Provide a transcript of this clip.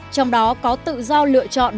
trong đó có tự do lựa chọn